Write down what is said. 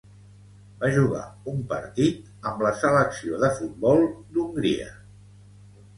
Va jugar un partit amb la selecció de futbol d'Hongria.